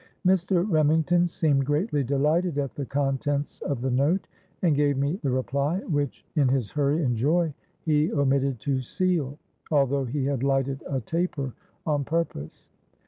Mr. Remington seemed greatly delighted at the contents of the note, and gave me the reply, which, in his hurry and joy, he omitted to seal, although he had lighted a taper on purpose.